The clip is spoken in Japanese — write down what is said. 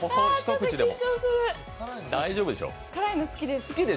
辛いの好きです。